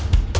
ya aku sama